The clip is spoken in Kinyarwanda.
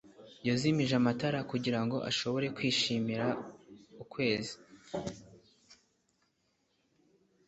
yazimije amatara kugirango ashobore kwishimira ukwezi